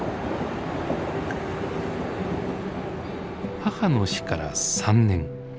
母の死から３年。